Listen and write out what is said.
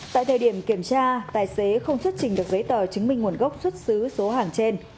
tại thời điểm kiểm tra tài xế không xuất trình được giấy tờ chứng minh nguồn gốc xuất xứ số hàng trên